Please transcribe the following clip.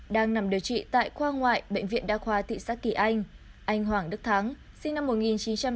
đang nằm điều trị tại khoa ngoại bệnh viện đa khoa thị xã kỳ anh anh hoàng đức thắng sinh năm một nghìn chín trăm tám mươi